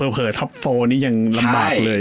เผลอท็อปโฟนี่ยังลำบากเลย